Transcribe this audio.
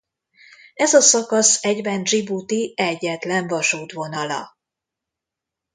Ez a szakasz egyben Dzsibuti egyetlen vasútvonala.